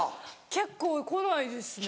結構来ないですね。